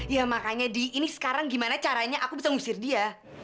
ya makanya di ini sekarang gimana caranya aku bisa ngusir dia